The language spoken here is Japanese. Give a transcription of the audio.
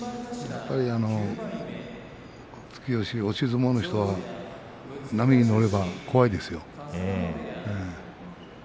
やはり突き押し押し相撲の人は波に乗れば怖いですよ。